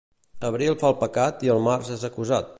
Abril fa el pecat i el març és acusat.